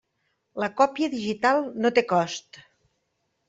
La còpia digital no té cost.